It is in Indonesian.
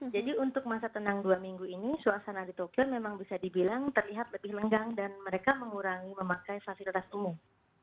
jadi untuk masa tenang dua minggu ini suasana di tokyo memang bisa dibilang terlihat lebih lenggang dan mereka mengurangi memakai fasilitas umum